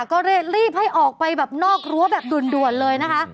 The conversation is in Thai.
ก็รีบให้ออกไปแบบนอกรั้วแบบด่วนเลยนะคะ